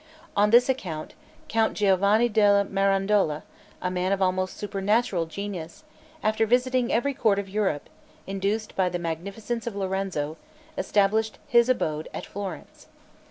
On this account, Count Giovanni della Mirandola, a man of almost supernatural genius, after visiting every court of Europe, induced by the munificence of Lorenzo, established his abode at Florence.